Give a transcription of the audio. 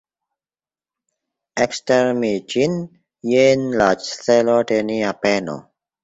Ekstermi ĝin, jen la celo de nia peno.